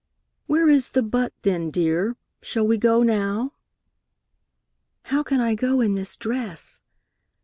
"Where is the 'but' then, dear? Shall we go now?" "How can I go in this dress?"